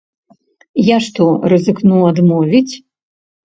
Я што, рызыкну адмовіць?